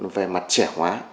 về mặt trẻ hóa